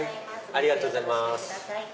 ありがとうございます。